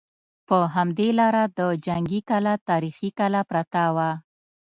په همدې لاره د جنګي کلا تاریخي کلا پرته وه.